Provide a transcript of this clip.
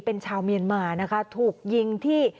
เป็นชาวเมียนมานะคะถูกยิงที่